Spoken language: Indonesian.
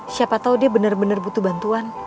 siapa tau dia bener bener butuh bantuan